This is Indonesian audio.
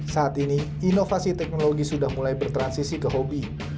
saat ini inovasi teknologi sudah mulai bertransisi ke hobi